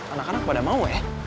anak anak pada mau ya